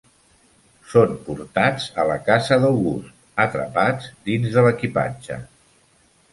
Són portats a la casa d'August, atrapats dins de l'equipatge.